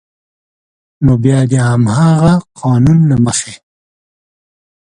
نو بیا د همغه قانون له مخې